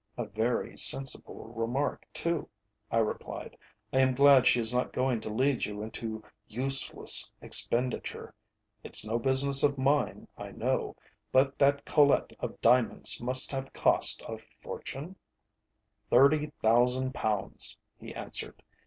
'" "A very sensible remark too," I replied. "I am glad she is not going to lead you into useless expenditure. It's no business of mine, I know, but that collet of diamonds must have cost a fortune?" "Thirty thousand pounds," he answered.